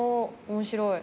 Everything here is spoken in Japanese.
面白い。